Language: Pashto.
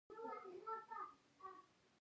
د شاه و عروس بند څه ګټه لري؟